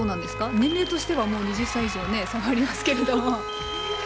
年齢としては２０歳以上差がありますけれども。